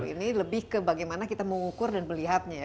ini lebih ke bagaimana kita mengukur dan melihatnya ya